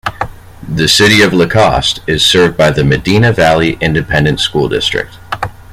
The City of LaCoste is served by the Medina Valley Independent School District.